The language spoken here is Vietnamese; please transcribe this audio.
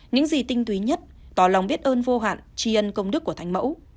những gì tinh túy nhất tỏ lòng biết ơn vô hạn tri ân công đức của thanh mẫu